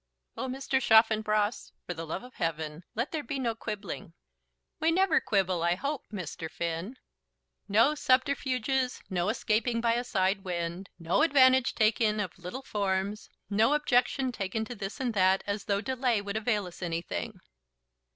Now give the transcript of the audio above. "Oh, Mr. Chaffanbrass, for the love of Heaven, let there be no quibbling." "We never quibble, I hope, Mr. Finn." "No subterfuges, no escaping by a side wind, no advantage taken of little forms, no objection taken to this and that as though delay would avail us anything."